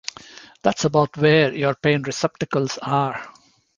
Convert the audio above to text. That's about where your pain receptacles are.